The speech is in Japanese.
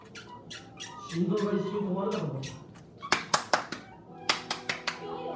心臓が一瞬止まるかと思ったひきょうよ。